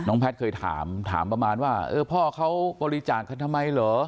แพทย์เคยถามถามประมาณว่าเออพ่อเขาบริจาคกันทำไมเหรอ